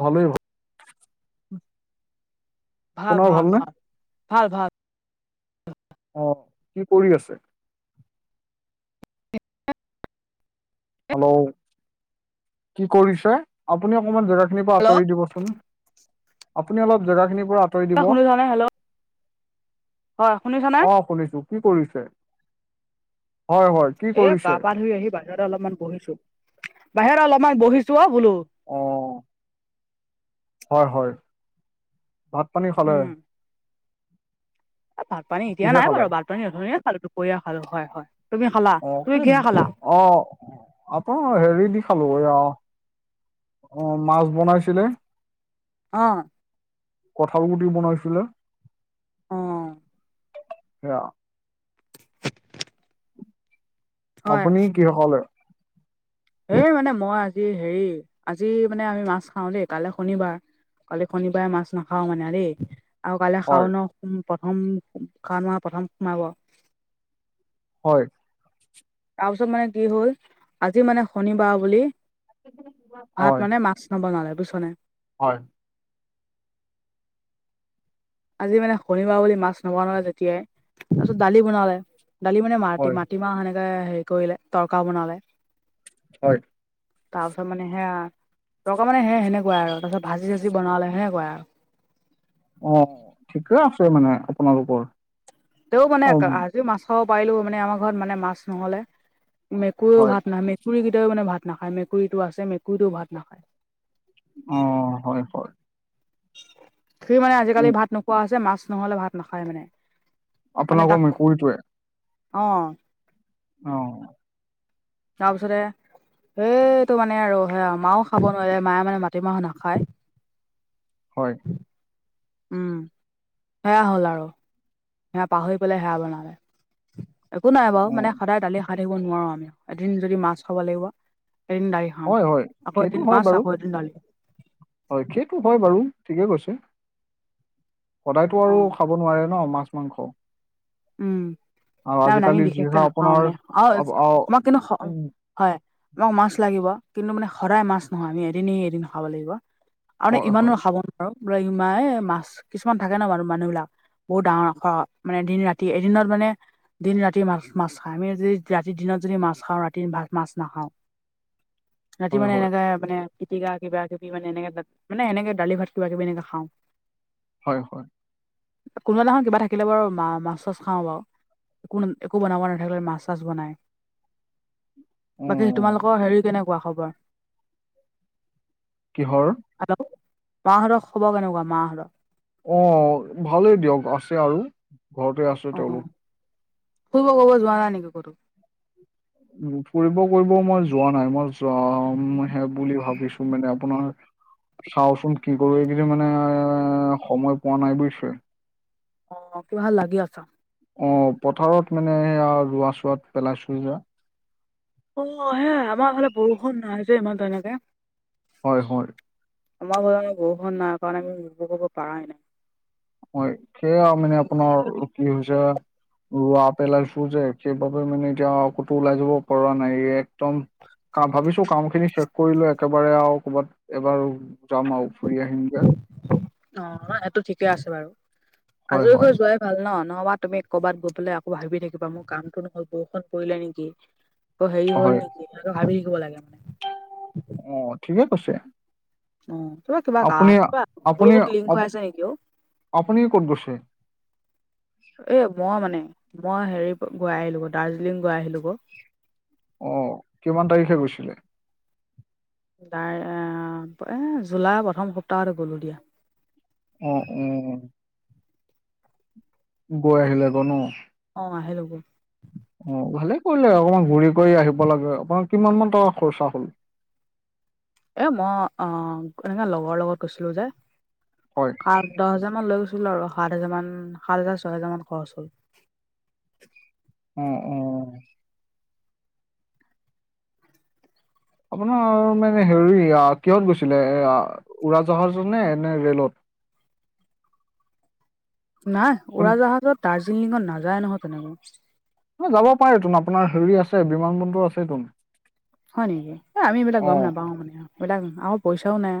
ভালেই ভা ভাল আপোনাৰ ভাল ভালনে ভাল, ভাল ভাল। অঁ' কি কৰি আছে? হেল্ল' কি কৰিছে, আপুনি অকমান জেগা খিনিৰ পৰা আঁতৰি দিবচোন। আপুনি অলপ জেগা খিনিৰ পৰা- আঁতৰি শুনিছা নে, হেল্ল'। হয় শুনিছানে অঁ' শুনিছোঁ, কি কৰিছে, হয় হয়। কি এ কৰিছে গা-পা ধুই আহি বাহিৰতে অলপমান বহিছোঁ, বাহিৰত অলপমান বহিছোঁ অঁ' বোলোঁ। অঁ'। হয় হয়, ভাত পানী খালে? এ ভাত পানী এতিয়া কিহে নাই খালে বাৰু ভাত পানী অথোনিয়ে খালোঁ, দুপৰীয়া খালোঁ, হয় হয়। তুমি খালা অঁ' তুমি সেই কিহে খালা অঁ' আটা হেৰি দি খালোঁ এইয়া- অঁ' মাছ বনাইছিলে- অঁ'। কঁঠাল গুটি বনাইছিলে। অ সেইয়া। হয় আপুনি কিহে খালে? এই মানে মই আজি হেৰি আজি মানে আমি মাছ খাওঁ দেই, কাইলে শনি বাৰ- কাইলৈ শনিবাৰে মাছ নাখাওঁ মানে আৰু দেই। আৰু কাইলৈ হয় খাওঁ ন' প্ৰথম সাওন মাহ প্ৰথম সোমাব। হয়। তাৰপিছত মানে কি হ'ল আজি মানে শনিবাৰ বুলি হয় ভাত মানে মাছ বনালে বুইছনে। হয়। আজি মানে শনিবাৰ বুলি মাছ নবনালে যেতিয়াই তাৰপিছত দালি বনালে। দালি মানে হয় মাটি-মাটিমাহ সেনেকে হেৰি কৰিলে তৰকা বনালে। হয়। তাৰপিছত মানে সেইয়া তৰকা মানে সে-সেনেকুৱা আৰু তাৰ পাছত ভাজি চাজি বনালে সেনেকুৱাই আৰু। অঁ'। [unintelligible] আছোঁ মানে আপোনালোকৰ। তেও মানে অ আজিও মাছ খাব পাৰিলো মানে আমাৰ ঘৰত মানে মাছ নহ'লে মেকুৰীও হয়, ভাত না মেকুৰিকেইটাও ভাত নাখায়, মেকুৰীটো আছে মেকুৰীটো ভাত নাখায়। অঁ' হয় হয়। সিও মানে আজিকালি উম, ভাত নোখোৱা হৈছে, মাছ নহ'লে ভাত নাখায় মানে। মানে আপোনালোকৰ তাক মেকুৰীটোৱে অঁ। অঁ'। তাৰপিছতে সেইটো মানে আৰু সেয়া, মাও খাব নোৱাৰে, মায়ে মানে মাটিমাহো নাখায়। হয়। উম সেয়া হ'ল আৰু, সেয়া পাহৰি পেলাই সেয়া বনালে। একো নাই বাৰু উম, মানে সদায় দালি নোখোৱাকে থাকিব নোৱাৰো আমি, এদিন যদি মাছ খাব লাগিব, এদিন দালি খাওঁ হয়, হয়, আকৌ সেইটো এদিন হয় মাছ বাৰু আকৌ এদিন দালি। হয় সেইটো হয় বাৰু ঠিকে কৈছে। সদায়তো আৰু অঁ খাব নোৱাৰে ন মাছ মাংস। উম আৰু নাই মানে আমি আজিকালি বিশেষকে যিহে নাখাওঁ আপোনাৰ মানে আৰু অব অ', মই কিন্তু উম, হয়, আমাক মাছ লাগিব কিন্তু মানে সদাই মাছ নহয় আমি এদিন এৰি এদিন খাব লাগিব। আৰু ন হয়, হয়, ইমানো খাব আৰু বোলে ইমান এই মাছ কিছুমান থাকে ন, বাৰু মানুহ বিলাক বহুত ডাঙৰ মানে দিন ৰা তি এদিনত মানে দিন ৰাতি মাছ মাছ খাও আমি যদি ৰাতি দিনত যদি মাছ খাওঁ ৰাতি মাছ নাখাওঁ। ৰাতি হয়, মানে হয়, এনেকাই মানে পিতিকা কিবা কিবি মানে এনেক মানে এনেকে দালি ভাত কিবা কিবি এনেকে খাওঁ। হয় হয়। কোনোবা নহয় কিবা থাকিলে বাৰু মা ছ খাওঁ বা একো একো বনাব নাথাকিলে মাছ চাছ বনাই। বাকী উম, তোমালোকৰ হেৰি কেনেকুৱা খবৰ? কিহৰ? হেল্ল, মাহঁতক খবৰ কেনেকুৱা মাহঁত? অঁ ভালেই দিয়ক আছে আৰু ঘৰতে আ অঁ, ফুৰিব ক'ব যোৱা নাই নেকি কতো? ফুৰিব কৰিব মই যোৱা নাই মই যামহে বুলি ভাবিছো মানে আপোনাৰ চাওচোন কি কৰো, এই কিদিন মানে এ সময় পোৱা নাই বুজিছে। অঁ, কিবা ভাল লাগি আছা? অঁ, পথাৰত মানে সেয়া ৰোৱা চোৱাত পেলাইছো সেয়া। অঁ সা আমাৰ ফালে বৰষুণ নাই যে ইমান তেনেকে। হয় হয়। আমাৰ ফালে বৰষুণ নাই কাৰণে আমি একো কৰিব পৰাই নাই। হয়, সেয়া মানে আপোনাৰ কি হৈছে ৰোৱা পেলাইছো যে সেইবাবে মানে এতিয়া ক'তো ওলাই যাব পৰা নাই। একদম ভাবিছো কাম খিনি শেষ কৰি লৈ একেবাৰে আৰু কৰ'ৰবাত এবাৰ যাম আৰু ফুৰি আহিমগে। অঁহ সেইটো ঠিকে আছে বাৰু, হয় আজৰি হয় হৈ যোৱাই ভাল নহ নহবা তুমি ক'বাত গৈ পেললে আকৌ ভাবি থাকিবা মোৰ কামটো নহল বৰষুণ পৰিলে নেকি? অঁ হেৰি হল হয় নেকি এ ভাবি শিকিব লাগে মানে। অঁ ঠিকে কৈছে? অ কিবা কিবা ক আপুনি কিবা আপুনি ব্লুত লিংক হৈ আপ- আছে নেকি অঁ? আপুনি ক'ত গৈছে? এ মই মানে মই হেৰি গৈ আহিলো, দাৰ্জিলিং গৈ আহিলো ক। অঁ কিমান তাৰিখে গৈছিলে? তাই এ জুলাই প্ৰথম সপ্তাহতে গ'লো দিয়া। অঁ, উম উম। গৈ আহিলে আকৌ ন। অঁ আহিলো। অঁ ভালে কৰিলে আৰু অকমান ঘূৰি কৰি আহিব লাগে, আপোনাৰ কিমান মান টকা খৰচা হ'ল? এ মই অ এনেকে লগৰ লগত গৈছিলো যে। হয়। আঠ দহ হাজাৰ মান লৈ গৈছিলো আৰু সাত হাজাৰ মান সাত হাজাৰ ছয় হোজাৰ মান খৰচ হ'ল। উম উম। আপোনাৰ মানে হেৰি কিহত গৈছিলে এ উৰাজাহাজ নে নে ৰেলত? নাই কোন উৰাজাহাজত দাৰ্জিলিঙত নাযায় নহয় তেনেকা। যাব পাৰে তোন আপোনাৰ হেৰি আছে বিমান বন্দৰ আছে তোন। হয় নেকি, এই আমি এইবিলাক গম নাপাও মানে এইবিলাক আম পইচাও নাই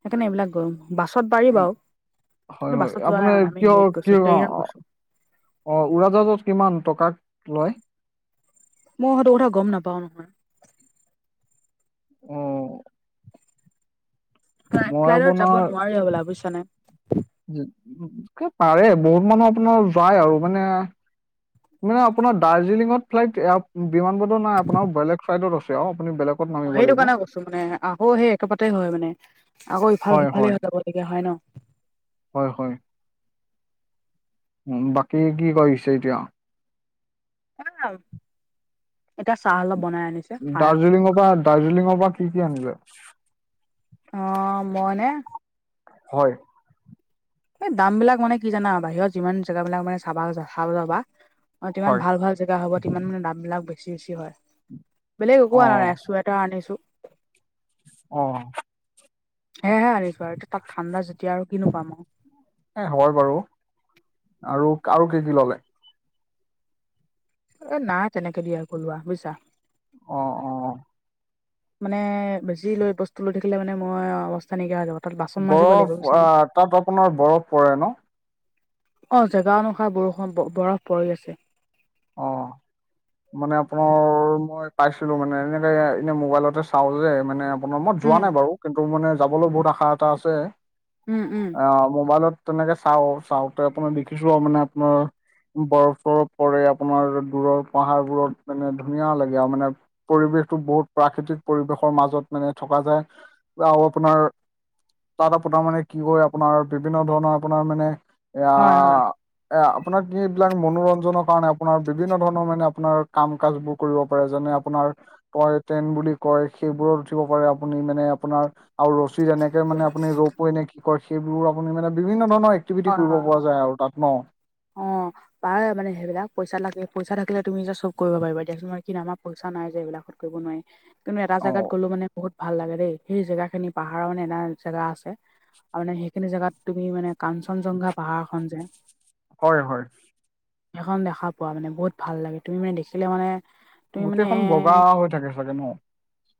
সেইকাৰণে এইবিলাক গৰম বাছত পাৰি বাৰু হয় কিন্তু হয় বাছত যোৱা নাই আপোনাৰ মানে আমি কিয় হেৰিত কি গৈছো অ ট্ৰেইনত গছো। অ উৰাজাহাজত কিমান টকা লয়? মই সেইটো কথা গম নাপাও নহয়। অহ। না ফ্লাইটত যাব আপোনাৰ নোৱাৰি হব'লা বুইছ নাই। পাৰে বহুত মানুহ আপোনাৰ যায় আৰু মানে। মানে আপোনাৰ দাৰ্জিলিঙত ফ্লাইটয় বিমান বন্দৰ নাই আপোনাৰ বেলেগ ছাইটত আছে আৰু আপুনি বেলেগ অ সেইটো কাৰণে কৈছো মানে আকৌ সেই একেপাতে হয় মানে আকৌ ইফাল হয় সিফালে হয় হৈ যাব লৈগীয়া হয় ন। হয় হয়। উ বাকী কি কৰিছে এতিয়া? [inaudible] এতিয়া চাহ অলপ বনাই আনিছে খাই আছো। দাৰ্জিলিঙৰ পৰা দাৰ্জিলিঙৰ পৰা কি কি আনিলে। অ মই মানে হয়। এই দাম বিলাক মানে কি জানা বাহিৰত যিমান জেগা বিলাক মানে চাব চাব যাবা অ তিমান হয় ভাল ভাল জেগা হ'ব তিমান মানে দামবিলাক বেছি বেছি হয়। বেলেগ একো অ আনা নাই এক চুৱেটাৰ আনিছোঁ। অহ। সেয়েহে আনিছো আৰু এতিয়া তাত ঠাণ্ডা যেতিয়া আৰু কিনো পাম। এ হয় বাৰু। আৰু আৰু কি কি ললে? এ নাই তেনেকে দিয়া কলোৱা বুজিছা। অ অ। মানে বেছি লৈ বস্তু লৈ থাকিলে মানে মই অৱস্থা নাইকিয়া হৈ যাব তাত বাচন মাজিব বৰফ লাগিব বুইছা নে। আহ তাত আপোনাৰ বৰফ পৰে ন? অ জেগা অনুসাৰে বৰষুণ বৰফ পৰি আছে। অহ। মানে আপোনাৰ মই পাইছিলো মানে এনেকে এনে মোবাইলতে চাও যে মানে মই যোৱা উম নাই বাৰু কিন্তু মানে যাবলৈ বহুত আশা এটা আছে। উম উম। অ মোবাইলত তেনেকে চাওঁ চাওঁতে আপোনাৰ দেখিছো আৰু মানে আপোনাৰ বৰফ চৰফ পৰে আপোনাৰ দূৰৰ পাহাৰবোৰত মানে ধুনীয়া লাগে আৰু মানে পৰিৱেশটো বহুত প্ৰাকৃতিক পৰিৱেশৰ মাজত মানে থকা যায় বা আপোনাৰ তাত আপোনাৰ মানে কি হয় আপোনাৰ বিভিন্ন ধৰণৰ আপোনাৰ মানে এয়া হয় হয় এয়া আপোনাৰ কি এইবিলাক মনোৰঞ্জনৰ কাৰণে আপোনাৰ বিভিন্ন ধৰণৰ মানে আপোনাৰ কাম কাজ বোৰ কৰিব পাৰে যেনে আপোনাৰ কয় ট্ৰেন বুলি কয় সেইবোৰত উঠিব পাৰে আপুনি মানে আপোনাৰ আৰু ৰচ যেনেকে মানে আপুনি ৰপই নে কি কৰে সেইবোৰ আপুনি মানে বিভিন্ন ধৰণৰ এক্টিভিটি হয় কৰিব হয় পৰা হয় যায় আৰু তাত ন। অ' পাৰে মানে সেইবিলাক পইচা লাগে পইচা থাকিলে তুমি যে চব কৰিব পাৰিবা দিয়াচোন কিন্তু আমাৰ পইছা নাই যে এইবিলাকত কৰিব নোৱাৰে। কিন্তু এটা অ জেগাত গ'লো মানে বহুত ভাল লাগে দেই সেই জেগা খিনি পাহাৰৰ মানে এটা জেগা আছে। আৰু মানে সেইখিনি জেগাত তুমি মানে কাঞ্চনজংঘা পাহাৰখন যেন। হয় হয়। সেইখন দেখা পোৱা মানে বহুত ভাল লাগে তুমি মানে দেখিলে মানে। তুমি মানে গোটেইখন বগা এ হৈ থাকে চাগে ন।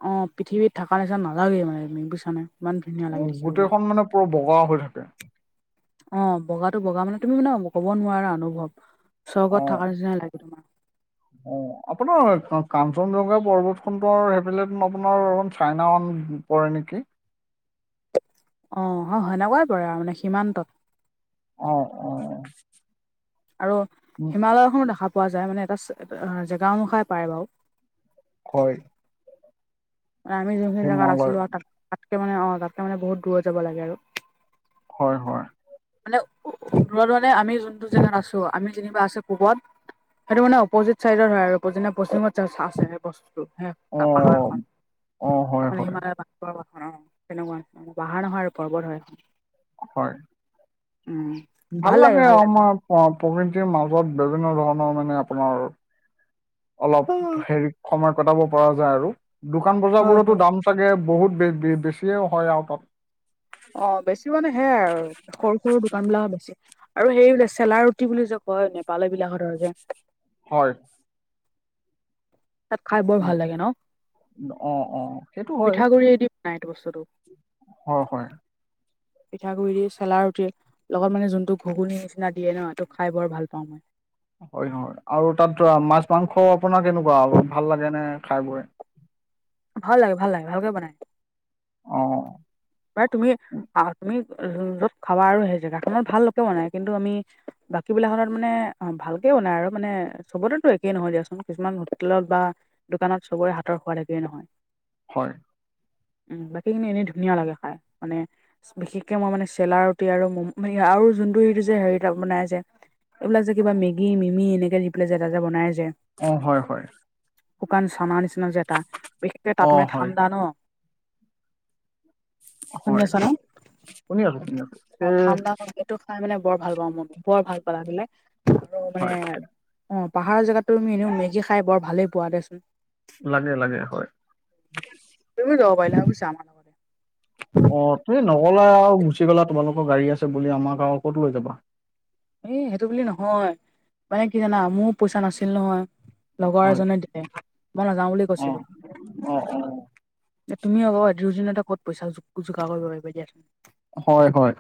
অ' পৃথিৱীত থকা নিচিনা নালাগেই মানে বুইছা নে। গোটেইখন মানে পূৰা বগা হৈ থাকে অ' বগাটো বগা মানে তুমি মানে ক'ব নোৱাৰা অনুভৱ। অ স্বৰ্গত থকাৰ নিচিনাই লাগে তোমাৰ। অ আপোনাৰ কাঞ্চনজংঘা পৰ্বতখনটো আও সেইফালেতোন আপোনাৰ [unintelligible] চাইনা, পৰে নেকি। অ হয় সনেকুৱাই পৰে আৰু মানে সীমান্তত। অ অ', আৰু উম, হিমালয়খনো দেখা পোৱা যায় মানে এটা চে জেগা অনুসাৰে পায় বাৰু, হয়। আমি জোনখিনি জেগাত হিমালয় আছিলোঁ আও, তাত তাতকে মানে অ তাতকে মানে বহুত দূৰত যাব লাগে আৰু। হয় হয়। মানে দূৰ দূৰতে আমি জোনটো জেগাত আছোঁ আমি যেনিবা আছোঁ পূবত সেইটো মানে অপজিত চাইডত হয় আৰু [unintelligible] পশ্চিমত আছে সেই বস্তুটো পা অ', পাহাৰখন অ', হয়, মানে হয়, হিমালয় পাহ পৰ্বত খন অ তেনেকুৱা নিচিনা পাহাৰ নহয় পৰ্বত হয় এইখন। হয়। উম। ভাল লাগে আমাৰ প প্ৰকৃতিৰ মাজত বিভিন্ন ধৰণৰ মানে আপোনাৰ আৰু- অলপ হয় হেৰি সময় কটাব পৰা যায় আৰু, দোকান বজাৰ বোৰতো হয় দাম চাগে বহুত বে বেছিয়ে হয় আউ তাত। অ' বেছি মানে সেয়াই আৰু সৰু সৰু দোকান বিলাক বেছি। আৰু সেই বোলে চেলা ৰুটি বুলি যে কয় নেপালী বিলাক হঁতৰ যে। হয়। তাত খাই বৰ ভাল লাগে ন অ' অ' সেইটো হয়। পিঠাগুড়িয়ে দি বনাই এইটো বস্তুটো হয় হয়। পিঠাগুৰি দি চেলা ৰুটি। লগত মানে জোনটো ঘুগুনী নিচিনা দিয়ে ন এইটো খাই বৰ ভাল পাওঁ মই। হয় হয় আৰু তাত ধৰা মাছ মাংস আপোনাৰ কেনেকুৱা ভাল লাগে নে খাই বৈ? ভাল লাগে ভাল লাগে ভালকে বনায়। অ'। প্ৰায় তুমি তুমি য'ত খাবা আৰু সেই জেগাখনত ভালকে বনাই, কিন্তু আমি বাকী বিলাক হঁতত মানে অ ভালকে বনায় আৰু, মানে চবতেতো একে নহয় দিয়াচোন কিছুমান হোটেলত বা দোকানত চবৰে হাতৰ সোৱাদ একেই নহয়। হয়। উম বাকীখিনি এনেই ধুনীয়া লাগে খাই মানে বিশেষকে মই মানে চেলা ৰুটি আৰু আৰু জোনটো এইটো যে হেৰি টা বনাই যে এইবিলাক যে, কিবা মেগী, মিমি, এনেকে দি পেলাই যে, এটা যে বনাই যে। অ'! হয়, হয়। শুকান চানা নিচিনা যে, এটা। বিশেষকে অ তাত মানে, হয় ঠাণ্ডা ন'। শুনি হয়, আছা ন শুনি আছোঁ- শুনি আছোঁ। অ' ঠাণ্ডা! [unintelligible] এইটো খাই মানে, বৰ ভাল পাওঁ, মই! বৰ ভাল পালা হয়নে? আৰু মানে, হয় অ'! পাহাৰৰ জেগাতো, তুমি এনেও, মেগী খাই বৰ ভালেই পোৱা দেচোন। লাগে-লাগে, হয়। তুমিও যাব পাৰিলা হয়, বুইছা? আমাৰ লগত। অ'! তুমি নক'লা আও। গুচি গ'লা, তোমালোকৰ গাড়ী আছে বুলি। আমাক আও ক'ত লৈ যাবা? এই, সেইটো বুলি নহয়। মানে কি জানা! মোৰো পইচা নাছিল নহয়। লগৰ হয় এজনে দিলে। মই নাযাওঁ বুলি অ কৈছিলোঁ। অ অ এ, তুমি আকৌ দুই-এদিনতে ক'ত পইচা যো- যোগাৰ কৰিব পাৰিবা, দিয়াচোন! হয়, হয়।